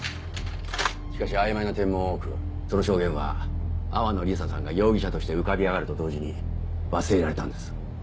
しかし曖昧な点も多くその証言は淡野リサさんが容疑者として浮かび上がると同時に忘れられたんです。